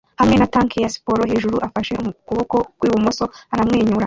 hamwe na tank ya siporo hejuru afashe ukuboko kwi bumoso aramwenyura